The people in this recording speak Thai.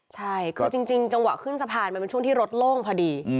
ใช่คือจริงจังหวะขึ้นสะพานมันเป็นช่วงที่รถโล่งพอดี